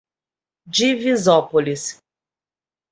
Divisópolis